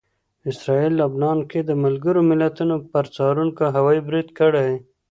اسراییلو لبنان کې د ملګرو ملتونو پر څارونکو هوايي برید کړی